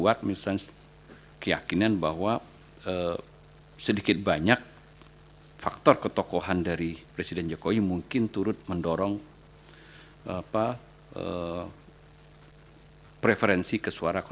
jadi mungkin itu juga bisa memperkuat misalnya keyakinan bahwa sedikit banyak faktor ketokohan dari presiden jokowi mungkin turut mendorong preferensi ke suara dua